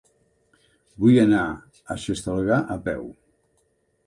Vull anar a Xestalgar a peu.